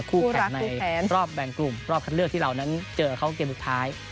คู่แข่งในรอบแบ่งกลุ่มรอบคัดเลือกที่เรานั้นเจอกับเขาเกมสุดท้าย